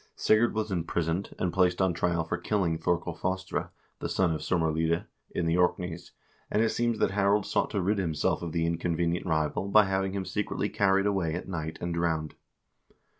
Sigurd was imprisoned and placed on trial for killing Thorkel Fostre, the son of Sumarlide, in the Orkneys, and it seems that Harald sought to rid himself of the inconvenient rival by having him secretly carried away at night and drowned.